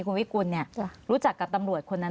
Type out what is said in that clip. คุณวิกุลรู้จักกับตำรวจคนนั้น